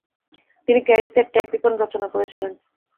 তিনি ক্যারিসের টাইপিকন রচনা করেছিলেন।